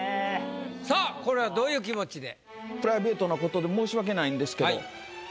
さあこれはどういう気持ちで？